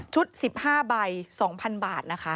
ชุด๑๕ใบ๒๐๐๐บาท